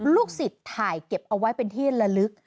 ลูกศิษย์ถ่ายเก็บเอาไว้เป็นที่ละลึก